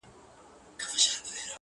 خو تېروتني تکرارېږي,